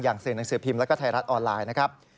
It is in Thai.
สื่อหนังสือพิมพ์แล้วก็ไทยรัฐออนไลน์นะครับ